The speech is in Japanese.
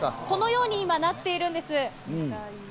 このように今、なってるんです。